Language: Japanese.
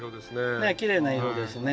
ねえきれいな色ですね。